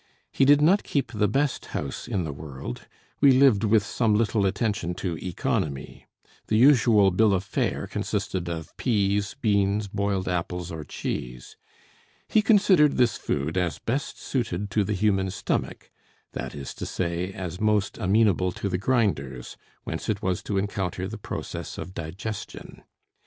He did not keep the best house in the world; we lived with some little attention to economy. The usual bill of fare consisted of peas, beans, boiled apples, or cheese. He considered this food as best suited to the human stomach; that is to say, as most amenable to the grinders, whence it was to encounter the process of digestion.